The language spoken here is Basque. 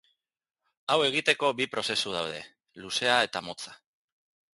Hau egiteko bi prozesu daude, luzea eta motza.